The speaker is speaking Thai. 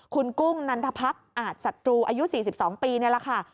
คุณกุ้งนันทพรรคอาจศัตรูอายุ๔๒ปีนี่แหละค่ะ